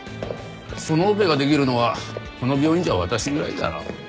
そのオペができるのはこの病院じゃ私ぐらいだろう。